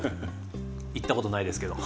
行ったことないですけど。